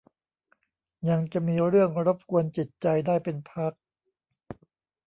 ยังจะมีเรื่องรบกวนจิตใจได้เป็นพัก